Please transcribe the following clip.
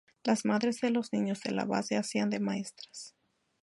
La madres de los niños de la base hacían de maestras.